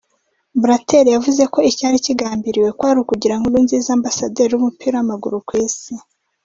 Blatter yavuze ko icyari kigambiriwe kwari ukugira Nkurunziza ambasaderi w’umupira w’amaguru ku isi